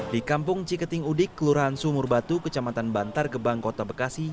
di kampung ciketing udik kelurahan sumur batu kecamatan bantar gebang kota bekasi